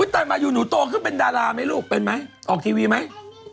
ตอนมาอยู่หนูโตขึ้นเป็นดาราไหมลูกเป็นไหมออกทีวีไหม